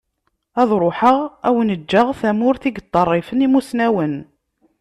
Ad ruḥeγ ad awen-ğğeγ tamurt i yeṭṭerrifen imusnawen.